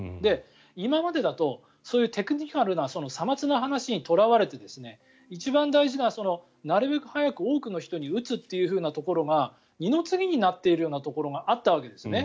今までだとそういうテクニカルな些末な話にとらわれて一番大事ななるべく早く多くの人に打つというところが二の次になっているようなところがあったわけですね。